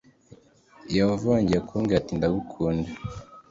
yehova yongera kumbwira ati ndagukunda